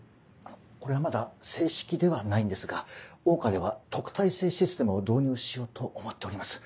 これはまだ正式ではないんですが桜花では特待生システムを導入しようと思っております。